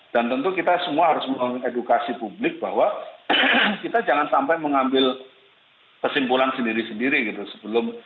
dan tentu kita semua harus mengeluarkan edukasi publik bahwa kita jangan sampai mengambil kesimpulan sendiri sendiri gitu